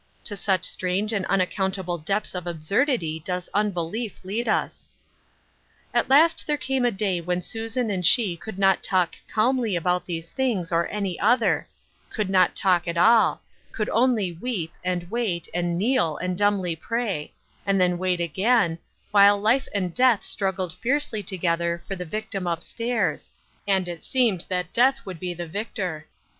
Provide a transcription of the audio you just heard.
To such strange and unaccountable depths of absurdity does unbelief lead us ! At last there came a day when Susan and she could not talk calmly about these things or any other — could not talk at all — could only weep, and wait, and kneel and dumbly pray, and then wait again, while life and death struggled fiercely together for the victim up stairs, and it seemed that death would be the victor.